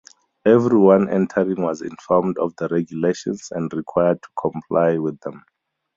Everyone entering was informed of the regulations and required to comply with them.